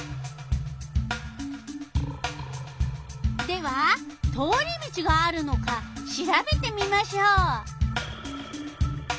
では通り道があるのかしらべてみましょう。